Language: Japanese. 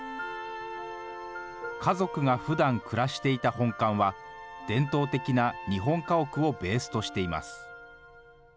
家族がふだん暮らしていた本館は、伝統的な日本家屋をベースとしています。